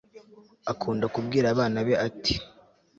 akunda kubwira abana be ati